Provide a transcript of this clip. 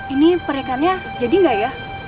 ini pernikahannya jadi gak ya